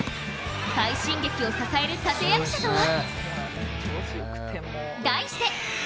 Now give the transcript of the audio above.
快進撃を支える立て役者とは？